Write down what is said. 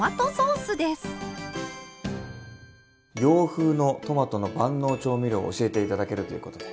洋風のトマトの万能調味料を教えて頂けるということで。